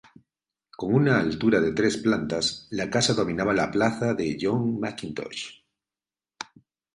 Con una altura de tres plantas, la casa dominaba la plaza de John Mackintosh.